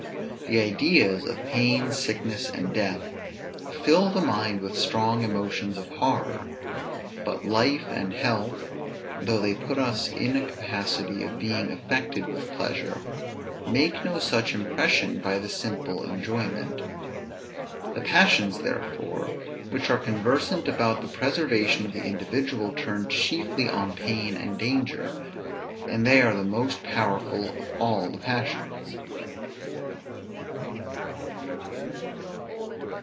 The ideas of pain, sickness, and death, fill the mind with strong emotions of horror; but life and health, though they put us in a capacity of being affected with pleasure, make no such impression by the simple enjoyment. The passions therefore which are conversant about the preservation of the individual turn chiefly on pain and danger, and they are the most powerful of all the passions.